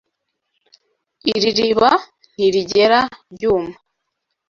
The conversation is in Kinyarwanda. Iri riba ntirigera ryuma.